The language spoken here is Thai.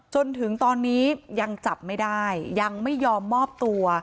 จนถึงตอนนี้ยังจับไม่ได้ยังไม่ยอมมอบตัว